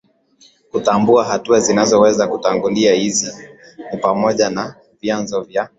kutambua hatua zinazoweza kutangulizwa Hizi ni pamoja na vyanzo vya